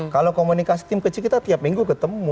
kalau komunikasi tim kecil kita tiap minggu ketemu